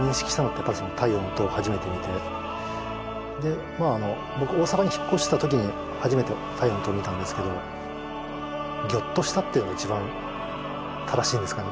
やっぱり「太陽の塔」を初めて見て僕大阪に引っ越した時に初めて「太陽の塔」を見たんですけどギョッとしたっていうのが一番正しいんですかね。